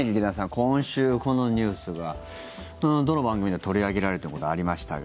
今週このニュースがどの番組でも取り上げられたことがありましたが。